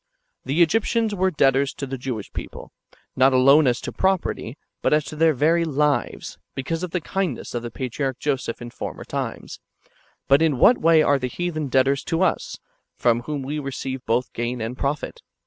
The Egyptians were debtors to the [Jewish] people, not alone as to propert}^, but as to their very lives, because of the kindness of the patriarch Joseph in former times ; but in what way are the heathen debtors to us, from whom we receive both gain and profit